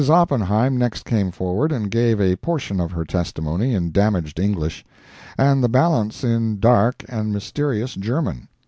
Oppenheim next came forward and gave a portion of her testimony in damaged English, and the balance in dark and mysterious German.